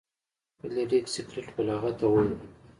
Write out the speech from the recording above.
فلیریک سکلیټ په لغته وواهه.